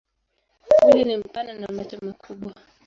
Mwili ni mpana na macho makubwa.